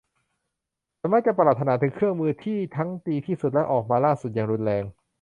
ฉันมักจะปรารถนาถึงเครื่องมือที่ทั้งดีที่สุดและออกมาล่าสุดอย่างรุนแรง